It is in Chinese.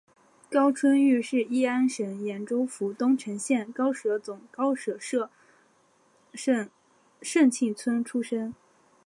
高春育是乂安省演州府东城县高舍总高舍社盛庆村出生。